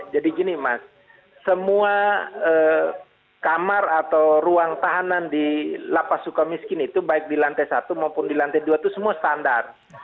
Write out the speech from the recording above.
jadi gini mas semua kamar atau ruang tahanan di lapas sukamiskin itu baik di lantai satu maupun di lantai dua itu semua standar